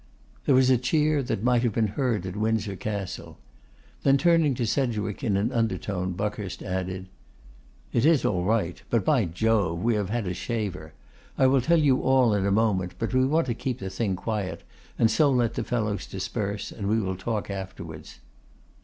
There was a cheer that might have been heard at Windsor Castle. Then, turning to Sedgwick, in an undertone Buckhurst added, 'It is all right, but, by Jove! we have had a shaver. I will tell you all in a moment, but we want to keep the thing quiet, and so let the fellows disperse, and we will talk afterwards.